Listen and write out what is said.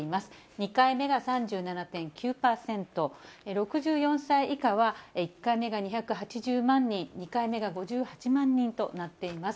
２回目が３７．９％、６４歳以下は１回目が２８０万人、２回目が５８万人となっています。